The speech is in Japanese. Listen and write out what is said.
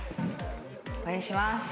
これにします。